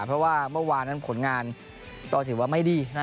เพราะว่าเมื่อวานนั้นผลงานก็ถือว่าไม่ดี